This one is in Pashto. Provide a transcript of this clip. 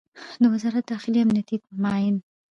د وزارت داخلې امنیتي معین